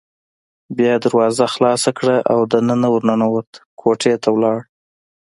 بیا یې دروازه خلاصه کړه او دننه ور ننوت، کوټې ته لاړ.